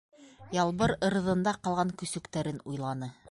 Ялбыр ырҙында ҡалған көсөктәрен уйланы.